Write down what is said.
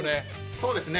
そうですね。